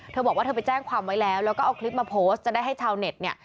เธอบอกว่าเธอไปแจ้งความไว้แล้วแล้วก็เอาคลิปมาโพสต์จะได้ให้ชาวเน็ตเนี่ย